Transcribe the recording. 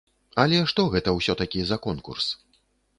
Але што гэта ўсё-такі за конкурс?